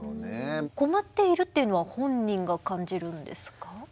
困っているっていうのは本人が感じるんですか？